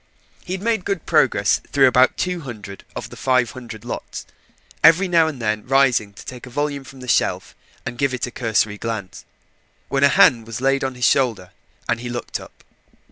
He had made good progress through about two hundred of the five hundred lots every now and then rising to take a volume from the shelf and give it a cursory glance when a hand was laid on his shoulder, and he looked up.